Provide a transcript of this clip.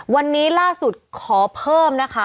วันนี้ล่าสุดขอเพิ่มนะคะ